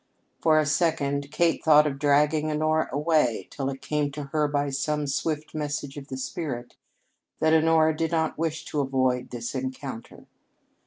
For a second Kate thought of dragging Honora away, till it came to her by some swift message of the spirit that Honora did not wish to avoid this encounter.